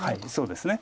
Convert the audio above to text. そうですね。